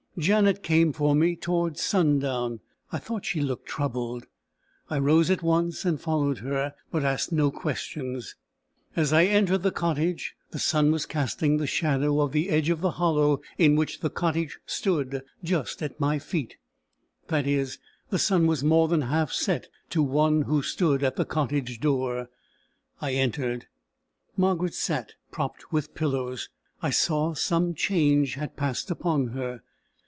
Janet came for me towards sundown. I thought she looked troubled. I rose at once and followed her, but asked no questions. As I entered the cottage, the sun was casting the shadow of the edge of the hollow in which the cottage stood just at my feet; that is, the sun was more than half set to one who stood at the cottage door. I entered. Margaret sat, propped with pillows. I saw some change had passed upon her.